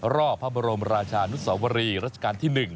รอบพระบรมราชานุสวรีรัชกาลที่๑